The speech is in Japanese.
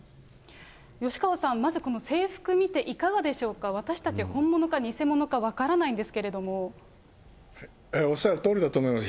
吉川さん、まず制服見て、いかがでしょうか、私たち、本物か偽物か分からないおっしゃるとおりだと思います。